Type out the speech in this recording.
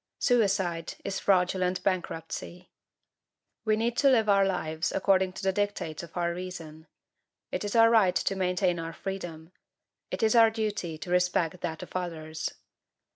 Suicide is fraudulent bankruptcy. We need to live our lives according to the dictates of our reason. It is our right to maintain our freedom. It is our duty to respect that of others.